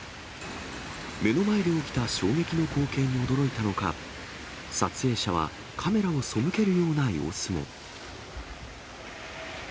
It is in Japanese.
目の前で起きた衝撃の光景に驚いたのか、撮影者はカメラをそむけるような様子も。